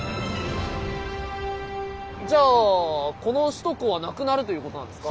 じゃあこの首都高はなくなるということなんですか？